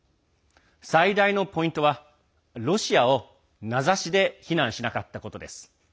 最大のポイントは、ロシアを名指しで非難しなかったことです。